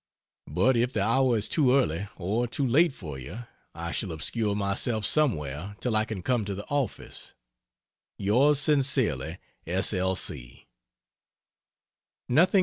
But if the hour is too early or too late for you, I shall obscure myself somewhere till I can come to the office. Yours sincerely S. L.